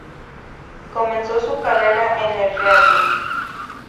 Comenzó su carrera en el Reading.